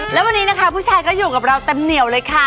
แล้ววันนี้นะคะผู้ชายก็อยู่กับเราเต็มเหนียวเลยค่ะ